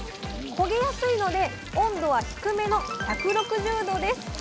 焦げやすいので温度は低めの１６０℃です